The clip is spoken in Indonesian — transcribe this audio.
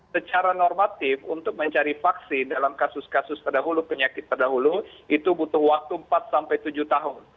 secara normatif untuk mencari vaksin dalam kasus kasus terdahulu penyakit terdahulu itu butuh waktu empat sampai tujuh tahun